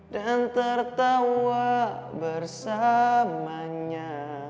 dan tertawa bersamanya